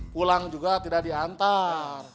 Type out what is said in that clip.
pulang juga tidak diantar